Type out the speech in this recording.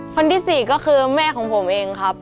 คนที่๔ก็คือแม่ของผมเองครับ